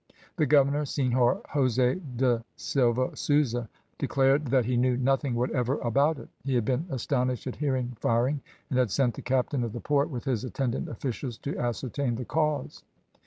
The Governor, Senhor Jose da Silva Souza, declared that he knew nothing whatever about it; he had been astonished at hearing firing, and had sent the captain of the port, with his attendant officials, to ascertain the cause.